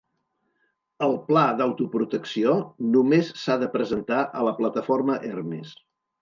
El pla d'autoprotecció només s'ha de presentar a la plataforma Hermes.